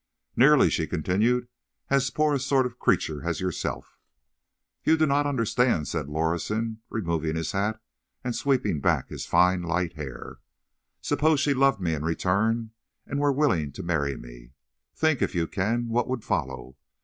"Nearly," she continued, "as poor a sort of creature as yourself." "You do not understand," said Lorison, removing his hat and sweeping back his fine, light hair. "Suppose she loved me in return, and were willing to marry me. Think, if you can, what would follow.